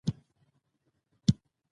که درناوی وي نو شخړه نه جوړیږي.